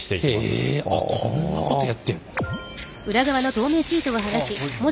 へえこんなことやってんの！